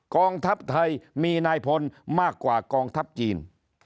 กองทัพไทยมีนายพลมากกว่ากองทัพจีน